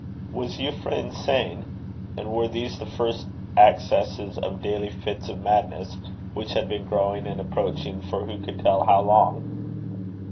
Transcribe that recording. Was Euphra insane? and were these the first accesses of daily fits of madness, which had been growing and approaching for who could tell how long?